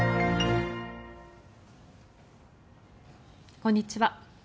こんにちは。